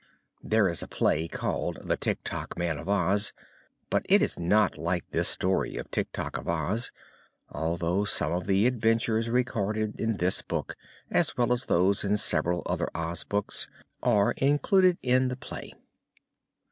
There is a play called "The Tik Tok Man of Oz," but it is not like this story of "Tik Tok of Oz," although some of the adventures recorded in this book, as well as those in several other Oz books, are included in the play.